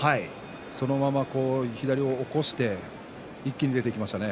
そのまま左を起こして一気に出ていきましたね。